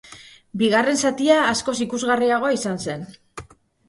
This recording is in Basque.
Bigarren zatia askoz ikusgarriagoa izan zen.